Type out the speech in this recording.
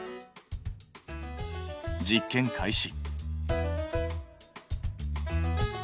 実験開始。